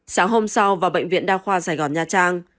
sáng hôm sau vào bệnh viện đa khoa sài gòn nha trang